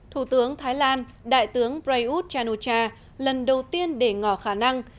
thủ tướng thái lan đại tướng prayuth chanucha lần đầu tiên để ngỏ khả năng